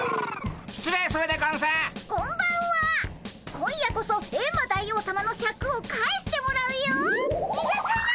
今夜こそエンマ大王さまのシャクを返してもらうよっ。